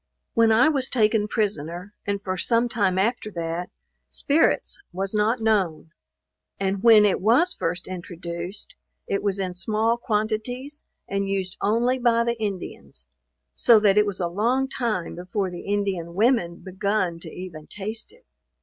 When I was taken prisoner, and for sometime after that, spirits was not known; and when it was first introduced, it was in small quantities, and used only by the Indians; so that it was a long time before the Indian women begun to even taste it.